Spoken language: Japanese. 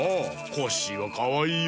コッシーはかわいいよ。